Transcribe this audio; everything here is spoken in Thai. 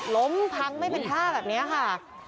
ล้มพังไม่เป็นท่าแบบนี้ค่ะ